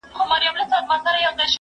کېدای سي مېوې خرابې وي!.